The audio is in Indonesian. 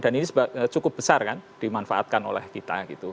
dan ini cukup besar kan dimanfaatkan oleh kita